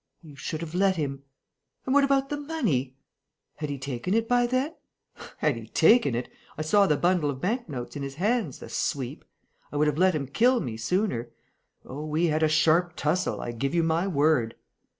"You should have let him." "And what about the money?" "Had he taken it by then?" "Had he taken it! I saw the bundle of bank notes in his hands, the sweep! I would have let him kill me sooner.... Oh, we had a sharp tussle, I give you my word!"